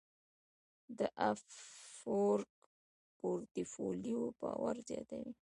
د افورک پورټفولیو باور زیاتوي.